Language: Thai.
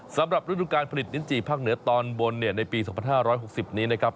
ฤดูการผลิตลิ้นจี่ภาคเหนือตอนบนในปี๒๕๖๐นี้นะครับ